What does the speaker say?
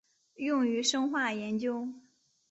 用于生化研究。